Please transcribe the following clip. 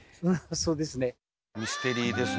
そうですね。